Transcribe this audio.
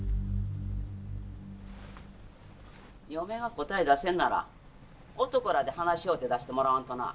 嫁が答え出せんなら男らで話し合うて出してもらわんとな。